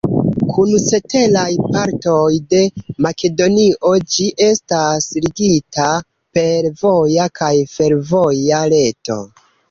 Kun ceteraj partoj de Makedonio ĝi estas ligita per voja kaj fervoja reto.